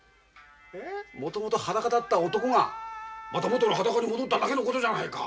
もともと裸だった男がまた元の裸に戻っただけのことじゃないか。